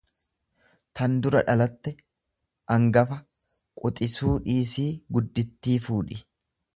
tan dura dhalatte, angafa; Quxisuu dhiisii guddittii fuudhi.